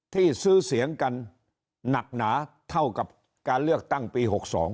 ที่ซื้อเสียงกันหนักหนาเท่ากับการเลือกตั้งปี๖๒